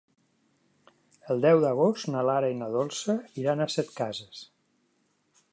El deu d'agost na Lara i na Dolça iran a Setcases.